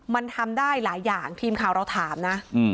มันทำได้หลายอย่างทีมข่าวเราถามนะ